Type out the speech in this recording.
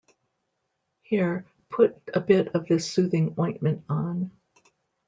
Here, put a bit of this soothing ointment on.